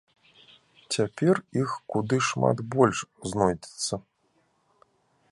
Цяпер іх куды шмат больш знойдзецца.